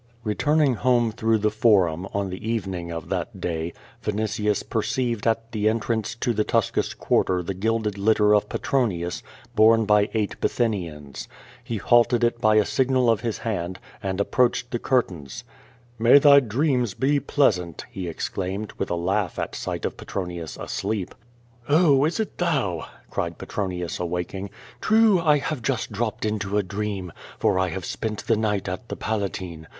Returning home through the Forum, on the evening of that day, Vinitius i)erceived at Mi'j entrance to the Tuscus quarter tJie gilded litter of Petronius, borne by eight Bithynians. He linked it by a signal of his hand, and approached the cur tainci. "May thy dreams be pleasant," he exclaimed, with a laugh at sight of Petronius asleep. "Oh, it is thou?" cried Petronius awaking. "True, I had just dropped into a dream, for I have spent the night at the Palatine.